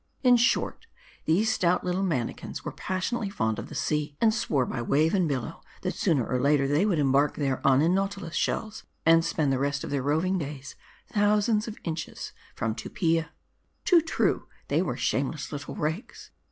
In short, these stout little manikins w^re passionately fond of the sea, and swore by wave and billow, that sooner or later they would embark thereon in nautilus shells, and spend the rest of their roving days thousands of inches from Tupia. Too true, they were shameless little rakes.